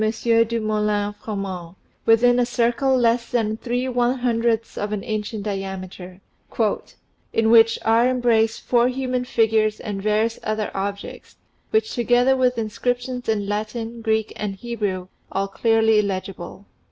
140 THE SEVEN FOLLIES OF SCIENCE Dumoulin Froment, within a circle less than three one hundredths of an inch in diameter, " in which are embraced four human figures and various other objects, together with inscriptions in Latin, Greek, and Hebrew, all clearly legible.